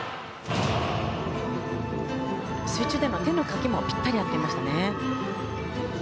水中での手のかきもぴったり合っていました。